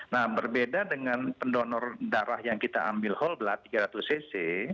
nah berbeda dengan pendonor darah yang kita ambil whole blood tiga ratus cc